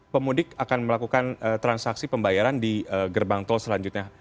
pemudik akan melakukan transaksi pembayaran di gerbang tol selanjutnya